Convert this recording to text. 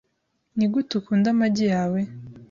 Nigute ukunda amagi yawe?